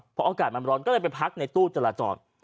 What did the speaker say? พออากาศมันร้อนก็เลยไปพักในตู้จราจร